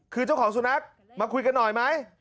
คือเจ้าของสุนัขมาคุยกันหน่อยไหม